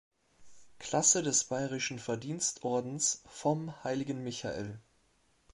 Klasse des bayerischen Verdienstordens vom Heiligen Michael.